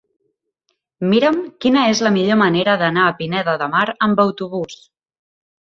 Mira'm quina és la millor manera d'anar a Pineda de Mar amb autobús.